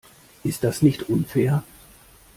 Ist das nicht unfair?